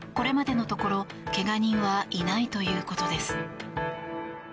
これまでのところけが人はいないということです。